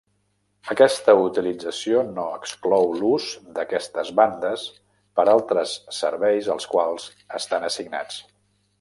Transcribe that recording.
Aquesta utilització no exclou l'ús d'aquestes bandes per altres serveis als quals estan assignats.